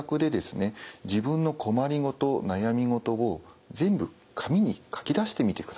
自分の困り事悩み事を全部紙に書き出してみてください。